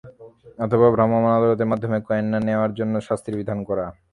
অথবা ভ্রাম্যমাণ আদালতের মাধ্যমে কয়েন না নেওয়ার জন্য শাস্তির বিধান করা।